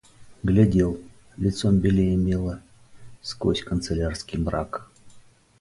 Глядел, лицом белее мела, сквозь канцелярский мрак.